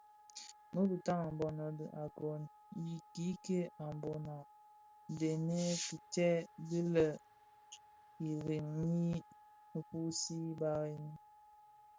Muu bitaň a mbono dhi agon I kiiki a Mbona ndhenèn kitsè dhi bè lè Iring ñyi fusii barèn.